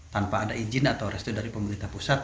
tanpa ada izin atau restu dari pemerintah pusat